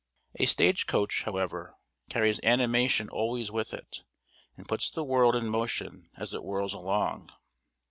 A stage coach, however, carries animation always with it, and puts the world in motion as it whirls along.